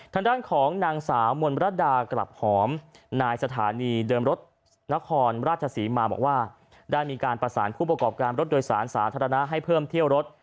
ทางด้านของนางสาวมนรดากลับหอมนายสถานีเดิมรถนครราชศรีมาบอกว่าได้มีการประสานผู้ประกอบการรถโดยสารสาธารณะให้เพิ่มเที่ยวรถ